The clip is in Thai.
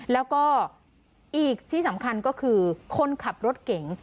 แล้วก็อีกที่สำคัญก็คือคนขับรถเก่ง